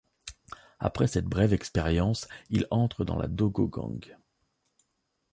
Après cette breve expérience il entre dans la Dogo Gang.